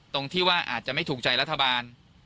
ตรงที่ว่าอาจจะไม่ถูกใจรัฐบาล